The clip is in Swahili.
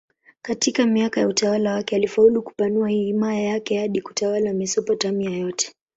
Katika miaka ya utawala wake alifaulu kupanua himaya yake hadi kutawala Mesopotamia yote.